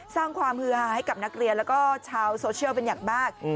สร้างความฮือฮาให้กับนักเรียนแล้วก็ชาวโซเชียลเป็นอย่างมาก